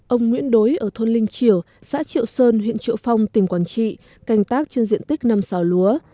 ông nguyễn đối ở thôn linh triều xã triệu sơn huyện triệu phong tỉnh quảng trị canh tác trên diện tích năm xào lúa